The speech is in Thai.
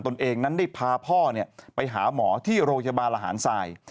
เองนั้นได้พาพ่อไปหาหมอที่โรงพยาบาลระหารทราย